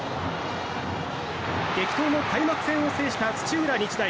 激闘の開幕戦を制した土浦日大。